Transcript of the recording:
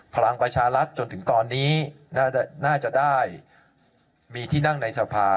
พลังประชารัฐจนถึงตอนนี้น่าจะได้มีที่นั่งในสภา